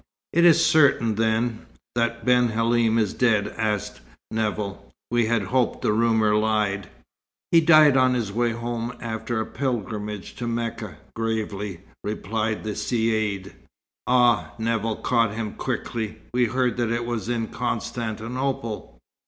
"It is certain, then, that Ben Halim is dead?" asked Nevill. "We had hoped that rumour lied." "He died on his way home after a pilgrimage to Mecca," gravely replied the Caïd. "Ah!" Nevill caught him up quickly. "We heard that it was in Constantinople."